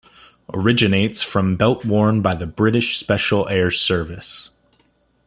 Originates from belt worn by the British Special Air Service.